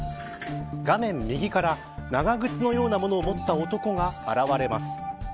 画面右から長靴のようなものを持った男が現れます。